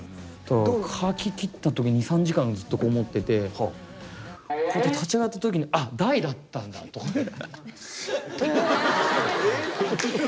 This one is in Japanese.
書き切った時に２３時間ずっと籠もっててこうやって立ち上がった時にあっ大だったんだとかって。